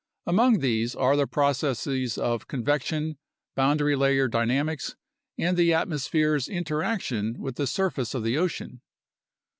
Among these are the processes of convection, boundary layer dynamics, and the at mosphere's interaction with the surface of the ocean.